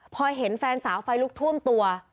พอเห็นแฟนสาวไฟลุกท่วมตัว